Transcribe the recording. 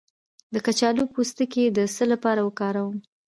د کچالو پوستکی د څه لپاره وکاروم؟